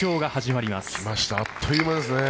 きました、あっという間ですね。